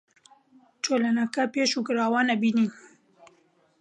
چلۆنە کە بیژووی گڕاوان ئەبینن